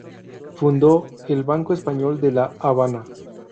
Fundó el Banco Español de La Habana.